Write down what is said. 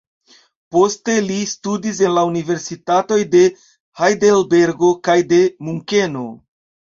Poste li studis en la Universitatoj de Hajdelbergo kaj de Munkeno.